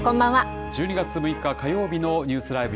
１２月６日火曜日のニュースＬＩＶＥ！